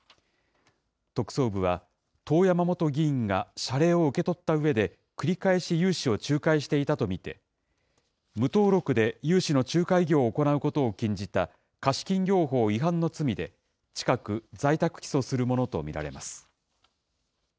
特捜部は、遠山元議員が謝礼を受け取ったうえで、繰り返し融資を仲介していたと見て、無登録で融資の仲介業を行うことを禁じた貸金業法違反の罪で、近く、在宅起訴するものと見られます。